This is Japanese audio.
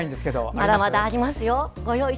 まだまだあります。